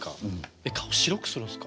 えっ顔白くするんすか？